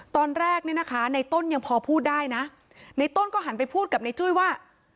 ตอนแรกเนี่ยนะคะในต้นยังพอพูดได้นะในต้นก็หันไปพูดกับในจุ้ยว่า